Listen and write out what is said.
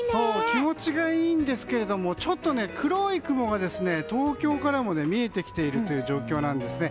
気持ちがいいんですけれどもちょっと黒い雲が東京からも見えてきているという状況なんですね。